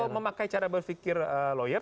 kalau memakai cara berfikir lawyer